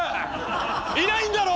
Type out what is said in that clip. いないんだろ？